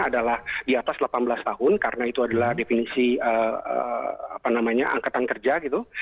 adalah di atas delapan belas tahun karena itu adalah definisi angkatan kerja gitu